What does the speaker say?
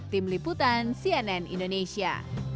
tim liputan cnn indonesia